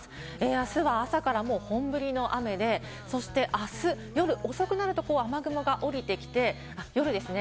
あすは朝からもう本降りの雨で、そしてあす、夜遅くなると雨雲がおりてきて、夜ですね。